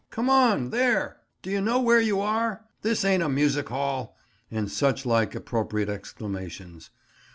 "Come on, there!" "D'you know where you are?" "This ain't a music hall!" and such like appropriate exclamations.